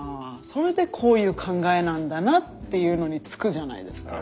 それでこういう考えなんだなっていうのにつくじゃないですか。